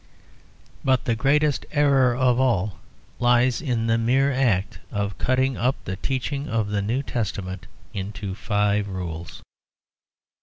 But the greatest error of all lies in the mere act of cutting up the teaching of the New Testament into five rules.